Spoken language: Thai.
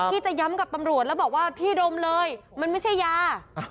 พี่จะย้ำกับตำรวจแล้วบอกว่าพี่ดมเลยมันไม่ใช่ยา